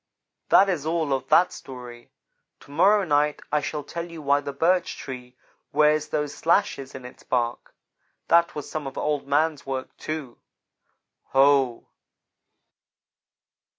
"That is all of that story. To morrow night I shall tell you why the birch tree wears those slashes in its bark. That was some of Old man's work, too. Ho!"